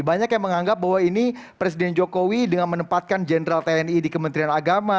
banyak yang menganggap bahwa ini presiden jokowi dengan menempatkan jenderal tni di kementerian agama